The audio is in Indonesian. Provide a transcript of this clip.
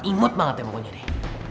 imut banget ya pokoknya deh